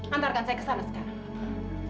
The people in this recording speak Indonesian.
antarkan saya kesana sekarang